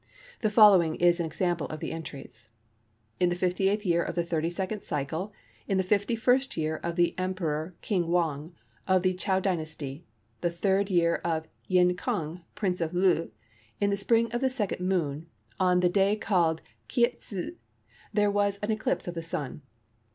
The following is an example of the entries:—"In the 58th year of the 32nd cycle in the 51st year of the Emperor King Wang, of the Chow Dynasty, the 3rd year of Yin Kung, Prince of Loo, in the spring, the second moon, on the day called Kea Tsze, there was an eclipse of the Sun."